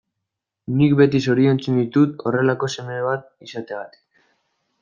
Nik beti zoriontzen ditut horrelako seme bat izateagatik.